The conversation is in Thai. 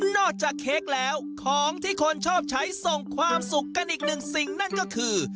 นอกจากเค้กแล้วของที่คนชอบใช้ส่งความสุขกันอีกหนึ่งสิ่งนั่นก็คือ